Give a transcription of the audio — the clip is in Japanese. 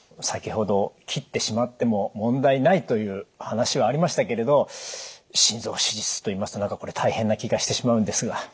先ほど切ってしまっても問題ないという話はありましたけれど「心臓手術」といいますと何かこれ大変な気がしてしまうんですが。